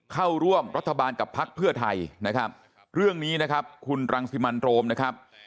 เข้าร่วมรัฐบาลกับพักเพื่อไทยนะครับเรื่องนี้นะครับคุณรังสิมันโรมนะครับ